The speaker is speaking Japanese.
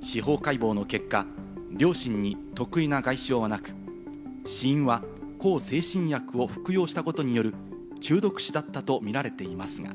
司法解剖の結果、両親に特異な外傷はなく、死因は向精神薬を服用したことによる中毒死だったとみられています。